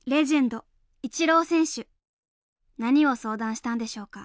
何を相談したんでしょうか。